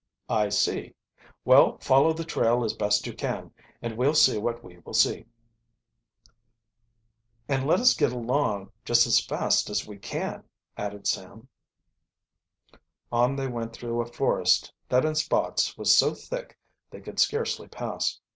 "I see. Well, follow the trail as best you can and we'll see what we will see." "And let us get along just as fast as we can," added Sam. On they went through a forest that in spots was so thick they could scarcely pass.